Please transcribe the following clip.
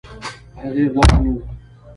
هغې غوږ ونيو.